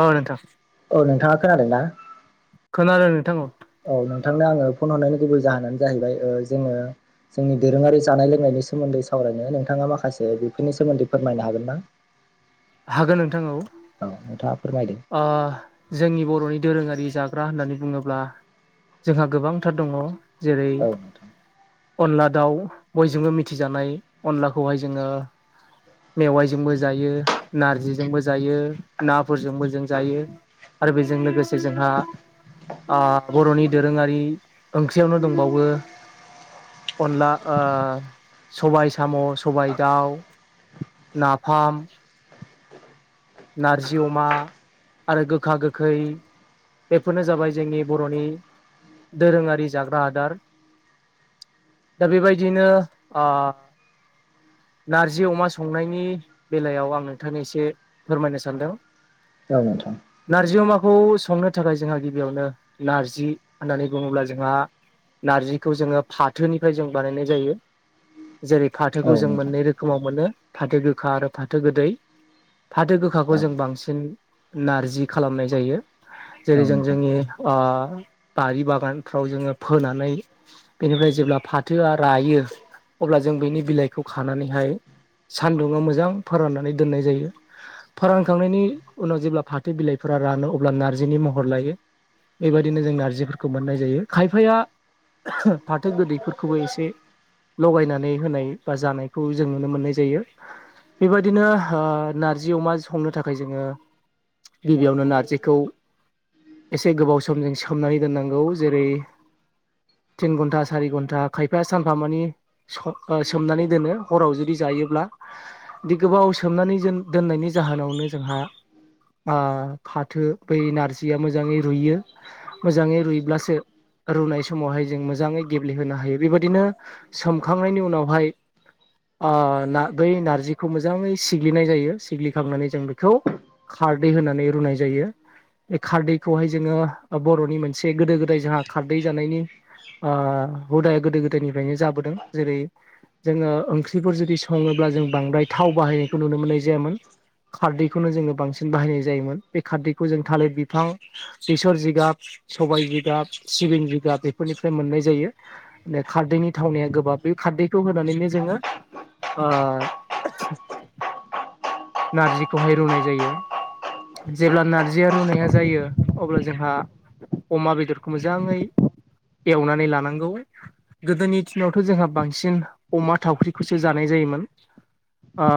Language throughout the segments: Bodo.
अ' नोंथां। औ नोंथाङा खोनादोंना? खोनादों नोंथां औ नोंथांनो आङो फन हरनायनि गुबै जाहोनानो जाहैबाय ओ जोङो जोंनि दोरोङारि जानाय लोंनायनि सोमोन्दै सावरायनो नोंथाङा माखासे बेफोरनि सोमोन्दै फोरमायनो हागोन ना? [inaudible] हागोन नोंथां नोंथाङा फोरमायदो औ जोंनि बर'नि दोरोङारि जाग्रा होननानै बुङोब्ला जोंहा गोबांथार दङ। जेरै औ नोंथां अनला दाउ बयजोंबो मिथिजानाय अनलाखौहाय जोङो। मेवाइजोंबो जायो, नारजिजोंबो जायो, नाफोरजोंबो जों जायो। आरो बेजों लोगोसे जोंहा ओ बर'नि दोरोङारि ओंख्रियावनो दंबावो। अनला ओ सबाय साम', सबाय दाउ नाफाम नारजि अमा आरो गोखा गोखै बेफोरनो जाबाय जोंनि बर'नि दोरोङारि जाग्रा आदार। दा बेबायदियैनो ओ नारजि अमा संनायनि बेलायाव आं नोंथांनि एसे फोरमायनो सानदों। औ नोंथां। खौ संनो थाखाय जोंहा गिबियावनो नारजि होननानै बुङोब्ला जोंहा। नारजिखौ जोङो फाथोनिफ्राय जों बानायनाय जायो। जेरै औ फाथोखौ जों नोंथां मोननै रोखोमाव मोनो फाथो गोखा आरो फाथो गोदै। फाथो गोखाखौ औ जों बांसिन नारजि खालामनाय जायो। जेरै औ जों नोंथां जोंनि ओ बारि बागानफ्राव जोङो फोनानै बेनिफ्राय जों जेब्ला फाथो आरो रायो अब्ला जों बेनि बिलाइखौ खानानैहाय सान्दुङा मोजां फोराननानै दोननाय जायो। फोरानखांनायनि उनाव जेब्ला फाथो बिलाइफोरा रानो अब्ला नार्जिनि महर लायो। बेबायदिनो जों नारजिफोरखौ मोननाय जायो खायफाया - फाथो गोदैफोरखौबो एसे लगायनानै होनाय बा जानायखौ जों नुनो मोननाय जायो। बेबायदिनो नारज जि अमा संनो थाखाय जोङो गिबियावनो नारजिखौ एसे गोबाव समजों सोमनानै दोननांगौ जेरै। तिन घन्टा सारि घन्टा खायफा सानफा मानि सोमनानै दोनो हराव जु जायोब्ला बि गोबाव सोमनानै दोननायनि जाहोनावनो जोंहा। फाथो बै नारजिया मोजाङै रुइयो मोजाङै रुइब्लासो। रुनाय समावहाय जों मोजाङै गेब्लेहोनो हायो बेबायदिनो सोमखांनायनि उनावहाय न बै नारजिखौ मोजाङै सिग्लिनाय जायो। सिग्लिखांनानै जों बेखौ खारदै होनानै रुनाय जायो। बे खारदैखौहाय जोङो बर'नि मोनसे गोदो गोदाय जोंहा खारदै जानायनि ओ हुदाया गोदो गोदायनिफ्रायनो जाबोदों जेरै जोङो ओंख्रिफोर जुदि सङोब अब्ला जों बांद्राय थाव बाहायनायखौ नुनो मोननाय जायामोन। [inaudible] खारदैखौनो जोङो बांसिन बाहायनाय जायोमोन बे खारदैखौ जों थालिर बिफां बेसर जिगाब सबाय जिगाब सिबिं जिगाब बेफोरनिफ्राय मोननाय जायो खारदैनि थावनाया गोबाब बे खारदै खारडैखौ होनानैनो जोङो। [unintelligible] नारजिखौहाय रुनाय जायो। जेब्ला नारजिया रुनाया जायो अब्ला जोंहा अमा बेदरखौ मोजाङै एवनानै लानांगौ गोदोनि दिनावथ' जोंहा बांसिन अमा थावख्रिखौसो जानाय जायो। जायोन ओ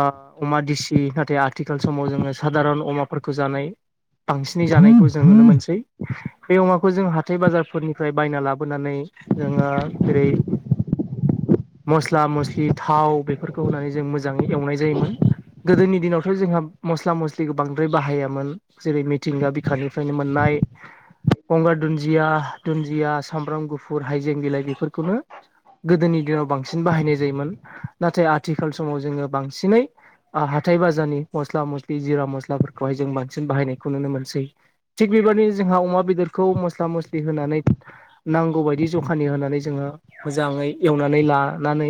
अमा दीसि नाथाय आथिखाल समाव जोङो साादारन अमाफोरखौ जानाय बांसिनै जानाय खौ जों नुनो मोनसै। बे अमाखौ जों हाथाय बाजारफोरनिफ्राय बायना लाबोनानै जोङो जेरै [inaudible] मस्ला मस्लि थाव बेफोरखौ होनानै जों मोजाङै एवनाय जायोमोन। गोदोनि दिनावथ जोंहा मस्ला मस्लिखौ बांद्राय बाहायामोन जेरै मिथिंगा बिखानिफ्रायनो मोननाय [inaudible] गंगार दुन्दिया दुन्दिया सामब्राम गुफुर हाइजें बिलाइ बेफोरखौनो। गोदोनि दिनाव बांसिन बाहायनाय जायोमोन नाथाय आथिखाल समाव जोङो बांसिनै ओ हाथाय बाजारनि मस्ला मस्लि जिरा मस्लाफोरखौहाय जों बांसिन बाहायनायखौ नुनो मोनसै थिग बि बेबायदि जोंहा अमा बेदरखौ मस्ला मस्लि होनानै नांगौ बायदि जखानि होनानै जोङो। मोजाङै एवनानै लानानै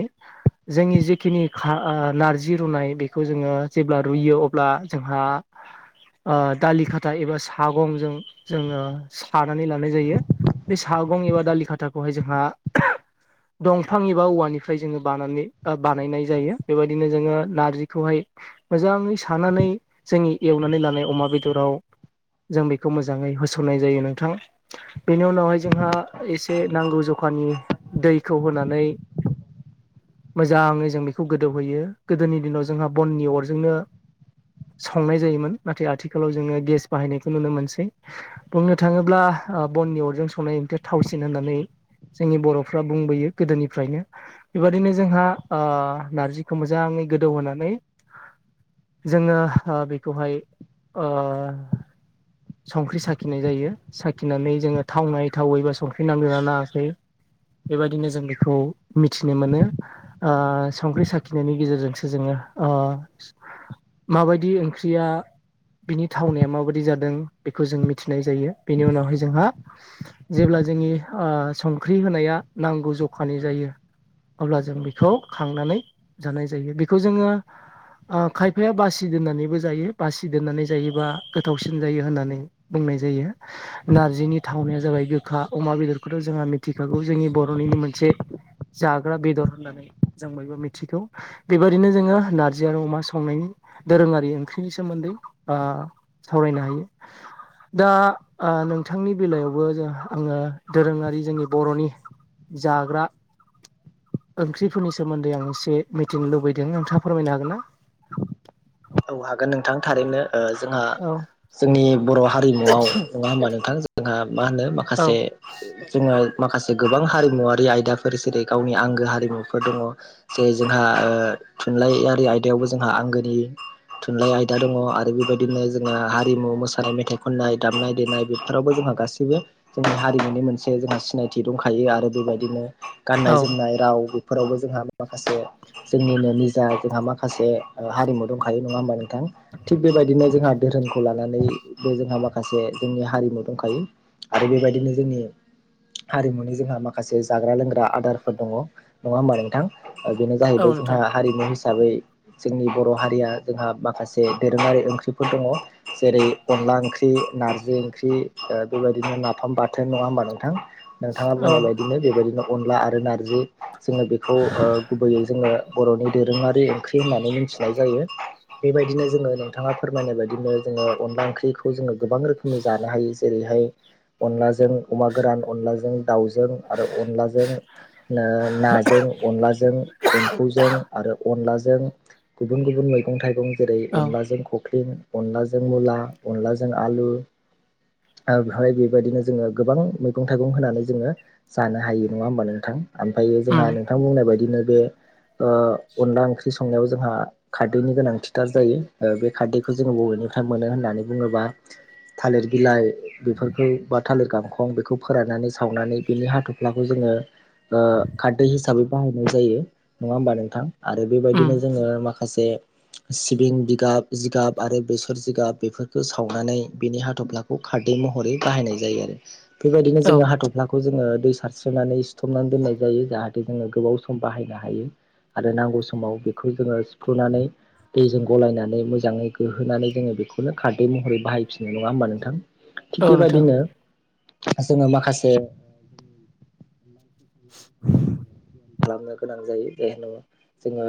जोंनि जेखिनि खा ओ नारजि रुनाय बे खौ जोङो जेब्ला रुयो अब्ला जोंहा। ओ दालि खाथा एबा सागंजों जोङो सानानै लानाय जायो। बे सागं एबा दालि खाथाखौहाय जोंहा दंफां एबा औवानिफ्राय जोङो बानानै बा बानायनाय जायो बेबायदिनो जोङो नारजि खौहाय मोजाङै सानानै जोंनि एवनानै लानाय अमा बेदराव जों बेखौ मोजाङै होसननाय जायो नोंथां। बेनि उनावहाय जोंहा एसे नांगौ जखानि दैखौ होनानै मोजाङै जों बेखौ गोदौहोयो गोदोनि दिनाव। जोंहा बननि अरजोंनो संनाय जायोमोन नाथाय आथिखालाव जोङो गेस बाहायनायखौ नुनो मोनसै बुंनो थाङोब्ला। ओ बननि अरजों संनाय थावसिन होननानै जोंनि बरफ्रा बुंबोयो गोदोनिफ्रायनो। बेबदिनो जोंहा ओ नारजिखौ मोजां ङै गोदौ होनानै जोङो ओ बेखौहाय ओ संख्रि साखिनाय जायो साखिनानै जोङो थावनाय थावै बा संख्रि नांदोंना नाङाखै बेबायदिनो जों बेखौ मिथिनो मोनो ओ संख्रि साखि ओ माबायदि ओंख्रिया बिनि थावनाया माबायदि जादों बेखौ जों मिथिनाय जायो बेनि उनावहाय जोंहा जेब्ला जोंनि ओ संख्रि होनाया नांगौ जखानि जायो अब्ला जों बेखौ खांनानै जानाय जायो बेखौ जोङो [inaudible] ओ खायफाया बासि दोननानैबो जायो बासि दोननानै जायोबा गोथावसिन जायो होननानै बुंनाय जायो नारजिनि थावनाया जाबाय गोखा अमा बेदरखौथ जोङो मिथिखागौ जोंनि बरनिनो मोनस ए जाग्रा बेदर होननानै जों बयबो मिथिगौ बेबायदिनो जोङो नारजि आरो अमा संनायनि दोरोङारि ओंख्रिनि सोमोन्दै ओ सावरायनो हायो दा ओ नोंथांनि बेलायावबो जों आङो दोरोङारि जोंनि बरनि जाग्रा ओंख्रिफोरनि सोमोन्दै आं एसे मिथिनो लुबैदों नोंथां फोरमायनो हागोन ना औ हागोन नोंथां थारैनो ओ जोंहा औ जोंनि बर हारिमुआव नङा होमबा नोंथां जोंहा मा होनो औ माखासे जोङो माखासे गोबां हारिमुवारि आयदाफोर जेरै गावनि आंगो हारिमुफोर दङ जे जोहा ओ थुनलाइयारि आयदायावबो जोंहा आंगोनि थुनलाइ आयदा दङ आरो बेबायदिनो जोंहा हारिमु मोसानाय मेथाइ खननाय दामनाय देनाय बेफोरावबो जों हा गासिबो जोंनि हारिमुनि मोनसे जोंहा सिनायथि दंखायो आरो बेबायदिनो गाननाय औ जोमनाय राव फोरावबो जोंहा माखासे जोंनिनो निजा जोंहा माखासे हारिमु दंखायो नङा होमबा नों थां थिग बेबायदिनो जोंहा धोरोमखौ लानानै बे जोंहा माखा खासे जोंनि हारिमु दंखायो आरो बेबायदिनो जोंनि हारिमुनि जोंहा माखासे जाग्रा लोंग्रा आदारफोर दङ नङा होमबा नोंथां बेनो औ जाहैबाय जोंहा नोंथां हारिमु हिसाबै जोंनि बर' हारिया जोंहा माखासे दोरोङारि ओंख्रिफोर दङ जेरै अनला ओंख्रि, नारजि ओंख्रि बेबायदिनो नाफाम बाथोन नङा होमबा नोंथां। नोंथाङा औ बुंनाय बायदिनो बेबायदिनो अनला आरो नारजि जोङो बेखौ गुबैयै जोङो बर'नि दोरोङारि ओंख्रि होननानै मिथिनाय जायो। बेबायदिनो जोङो नोंथाङा फोरमायनाय बायदिनो जोङो अनला ओंख्रिखौ जोङो गोबां रोखोमनि जानो हायो जेरै हाय अनला जों अमा गोरान अलाजों दाउजों आरो अनलाजों नाजों अलनलाजों जों एम्फौजों आरो अनलाजों गुबुन गुबुन मैगं थाइगं जेरै औ अनलाजों [unintelligible] अनलाजों मुला अनलाजों आलु बेवहाय बेबायदिनो जोङो गोबां मैगं थाइगं होनानै जोङो जानो हायो नङा होमबानो नोंथां। ओमफ्रायो जोंहा उम नोंथां बुंनाय बायदिनो बे अनला ओंख्रि संनायाव जोंहा खारै खारदैनि गोनांथिथार जायो बे खारदैखौ जोङो बबेनिफ्राय मोनो होननानै बुङोब्ला थालिर बिलाइ। बेफोरखौ बा थालिर गांखं बेखौ फोराननानै सावनानै बिनि हाथ'फ्लाखौ जोङो। खारदै हिसाबै बाहायनाय जायो नङा होमबा नोंथां आरो उम बेबायदिनो जोङो माखासे सिबिं जिगाब जिगाब आरो बेसर जिगाब बेफोरखौ सावनानै बेनि हाथब्लाखौ खारदै महरै बाहायनाय जायो आरो बेबायदिनो औ जोङो हाथफ्लाखौ खौ जोङो दै सारस्रोनानै सिथबनानै दोननाय जायो जाहाथे जोङो गोबाव सम बाहायनो हायो। आरो नांगौ समाव बेखौ जोङो सिफ्रुनानै दैजों गलायनानै मोजाङै गोहोनानै जोङो बेखौनो खारदै महरै बाहायो। फिनाय नङा होमबा नोंथां औ थिग नोंथां बेबायदिनो जोङो माखासे [inaudible] खालामनो गोनां जायो जाय होना जोङो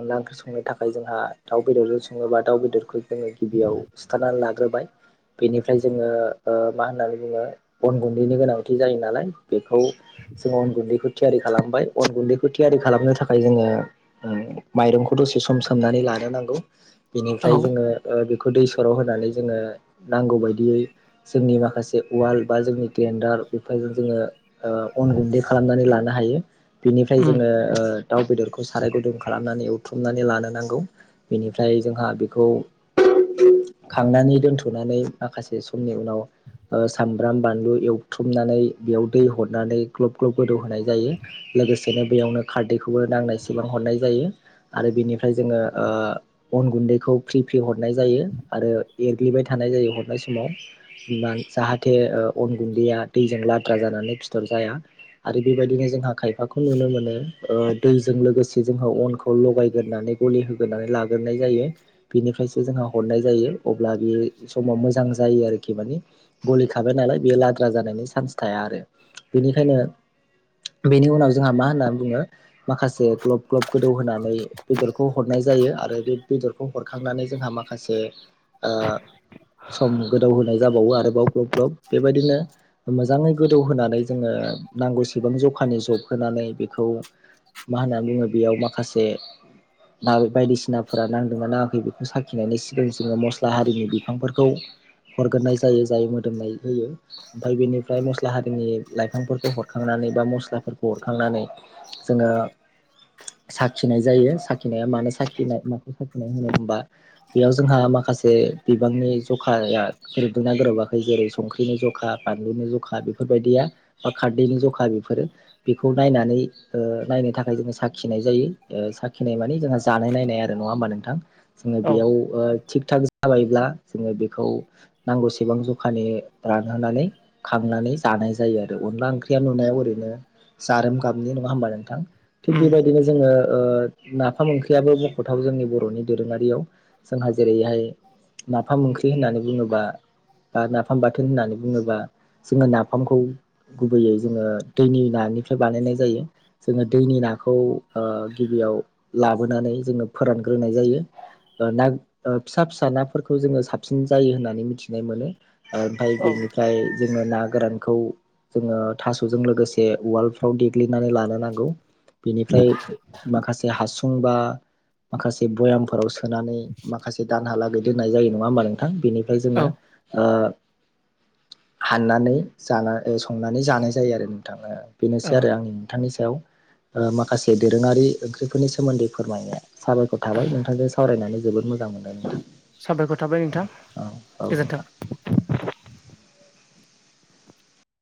अनला ओंख्रि संनो थाखाय जोंहा दाउ बेदरजों सङोब्ला दाउ बेदरखौ जोङो गिबियाव सिथारनानै लाग्रो बाय बेनिफ्राय जोङो ओ मा होननानै बुङो अन गुन्दैनि गोनांथि जायो नालाय बेखौ जोङो अन गुन्दैखौ थियारि खालामबाय। अन गुन्दैखौ थियारि खालामनो थाखाय जोङो ओ माइरंखौ दसे सम सोमनानै लानो नांगौ। औ बेनिफ्राय जोङो ओ बेखौ दै सर' होनानै जोङो नांगौ बायदियै जोंनि माखासे जे उवाल बा जोंनि ग्लेन्डार बेफोरजों जोङो ओ अन गुन्दै खालामनानै लानो हायो। बिनिफ्राय उम जोङो ओ दाउ बेदरखौ साराय गुदुं खालामनानै एवथ्रमनानै लानो नांगौ । बेनिफ्राय जोंहा बेखौ खांनानै दोनथ'नानै माखासे समनि उनाव सामब्राम बानलु एवथ्रमनानै बेयाव दै हरनानै ग्लब ग्लब गोदौ होनाय जायो। लोगोसेनो बेयावनो खारदैखौबो नांनायसेबां हरनाय जायो आरो बेनिफ्राय जोङो ओ अन गुन्दैखौ फ्रि फ्रि हरनाय जायो आरो एरग्लिबाय थानाय जायो हरनाय समाव माने जाहाथे ओ अन गुन्दैया दैजों लाद्रा जानानै फिथर जाया आरो बेबायदिनो जोंहा खायफा खौ नुनो मोनो दैजों लोगोसे जोङो अनखौ लगायग्रोनानै गलि होग्रोनानै लाग्रोनाय जायो बिनिफ्रायसो जोंहा हरनाय जायो। अब्ला बे समाव मोजां जायो आरोखि माने गलिखाबाय नालाय बे लाद्रा जानायनि चान्स थाया। आरो बेनिखायनो बेनि उनाव जोंहा मा होननानै बुङो माखासे ग्लब ग्लब गोदौ होनानै बेदरखौ हरनाय जायो आरो बे बेदरखौ हरखांनानै जोंहा माखासे ओ सम गोदौ होनाय जाबावो आरो बेवहाय ग्लब ग्लब बेबादिनो मोजां गोदौहोनानै डोङो नांगौसेबां ज खानि जब होनानै बेखौ मा होननानै बुङो बेयाव माखासे बायदिसिनाफोरा नांदोंना नाङाखै बेखौ साखिनायनि सिगां जोङो मस्ला हारिनि बिफांफोरखौ हरगोरोनाय जायो जाय मोदोमनाय होयो ओमफ्राय बेनिफ्राय मस्ला हारिनि लाइफांफोरखौ हरखांनानै बा मस्ला हरखांनानै जोङो साखिनाय जायो साखिनाया मानो साखि नाय माखौ सााखिनाय होनो होनबा बेयाव जोंहा माखासे बिबांनि जखाया बोरै गोरोबदोंना गोरोबाखै जेरै संख्रिनि जखा, बानलुनि जखा बेफोरबायदिया बा खारदैनि जखा बेफोरो बेखौ नायनानै ओ नायनो थाखाय जोङो साखिनाय जायो ओ साखिनाय माने जोंहा जानाय नायनाय आरो । नंङा होमबा नोंथां जोङो औ बेयाव ओ थिग थाग जाबायब्ला जोङो बेखौ नांगौसेबां जखानि रानहोनानै खां नानै जानाय जायो आरो अनला ओंख्रिया नुनायाव ओरैनो जारोम गाबनि नङा होमबा नोंथां । थिग उम बेबायदिनो जोङो ओ नाफाम ओंख्रियाबो मख'थाव जोंनि बर'नि दोरोङारियाव जोंहा जेरैहाय नाफाम ओंख्रि होननानै बुङोबा बा नाफाम बाथोन होननानै बुङोबा जोङो नाफामखौ गुबैयै जोङो दैनि नानिफ्राय बानायनाय जायो जोङो दैनि नाखौ गिबियाव लाबोनानै जोङो फोरानग्रोनाय जायो ओ ना ओ फिसा फिसा नाफोरखौ जोङो साबसिन जायो होननानै मिथिनो मोनो ओमफ्राय औ बेनिफ्राय जोङो ना गोरानखौ जोङो थास'जों लोगोसे ओ उवालफ्राव देग्लिनानै लानो नांगौ । बिनिफ्राय माखासे हासु सुं बा माखासे भयामफोराव सोनानै माखासे दानहा लागै दोननाय जायो नङा होमबा नोंथां । बेनिफ्राय औ जोङो ओ हाननानै जाना संनानै जानाय जायो आरो नोंथां ओ । बेनोसै औ आरो आंनि नोंथांनि सायाव माखासे दोरोङारि ओंख्रिफोरनि सोमोन्दै फोरमायनाया । साबायखर ओ थाबाय नोंथांजों सावरायनानै जोबोद मोजां मोनो । साबायखर थाबाय नोंथां औ नोंथां गोजोन्थों ।